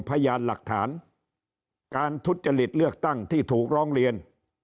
พยานหลักฐานการทุจริตเลือกตั้งที่ถูกร้องเรียน